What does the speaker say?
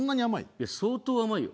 いや相当甘いよ。